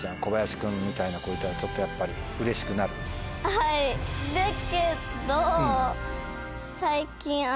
はいだけど。